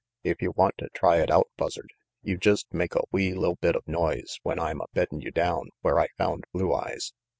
If you want to try it out, Buzza you jest make a wee li'l bit of noise when I'm a beddin' you down where I found Blue Eyes.